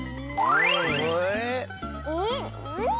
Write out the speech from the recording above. えっ。